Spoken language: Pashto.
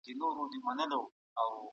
حاکمانو د ځان لپاره نوي لاري لټولي دي.